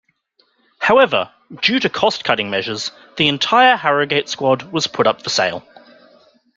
However, due to cost-cutting measures the entire Harrogate squad was put up for sale.